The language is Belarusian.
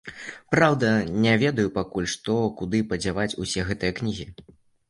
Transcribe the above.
Праўда, не ведаю пакуль што, куды падзяваць усе гэтыя кнігі.